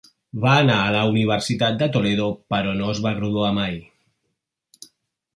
Va anar a la Universitat de Toledo però no es va graduar mai.